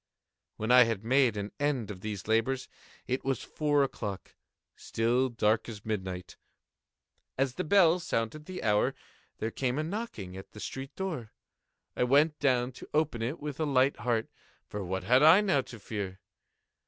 When I had made an end of these labors, it was four o'clock—still dark as midnight. As the bell sounded the hour, there came a knocking at the street door. I went down to open it with a light heart,—for what had I now to fear?